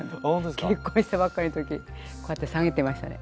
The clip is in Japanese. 結婚したばっかりの時こうやって下げてましたね。